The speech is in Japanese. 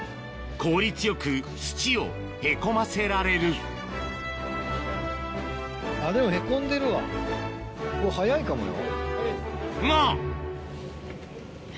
効率良く土をへこませられるでもへこんでるわ早いかもよ。